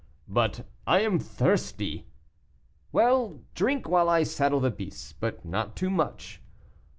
"But I am thirsty." "Well, drink while I saddle the beasts, but not too much."